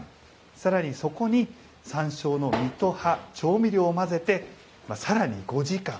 さらにそこに山椒の実と葉調味料を混ぜて、さらに５時間。